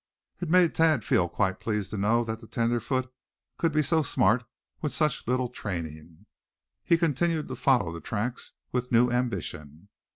It made Thad feel quite pleased to know that the tenderfoot could be so smart, with such little training. He continued to follow the tracks with new ambition.